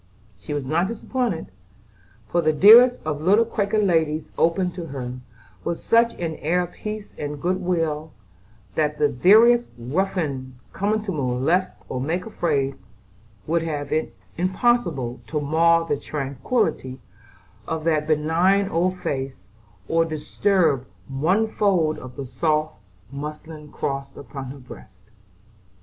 She was not disappointed, for the dearest of little Quaker ladies opened to her, with such an air of peace and good will that the veriest ruffian, coming to molest or make afraid, would have found it impossible to mar the tranquillity of that benign old face, or disturb one fold of the soft muslin crossed upon her breast.